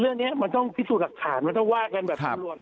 เรื่องนี้มันต้องพิสูจน์หลักฐานมันต้องว่ากันแบบตำรวจ